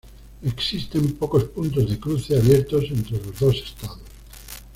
Existen pocos puntos de cruce abiertos entre los dos estados.